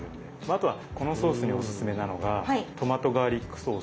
あとはこのソースにおすすめなのがトマトガーリックソース。